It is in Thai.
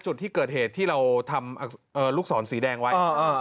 จุดที่เกิดเหตุที่เราทำลูกศรสีแดงไว้